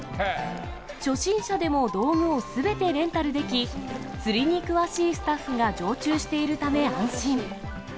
初心者でも道具をすべてレンタルでき、釣りに詳しいスタッフが常駐しているため安心。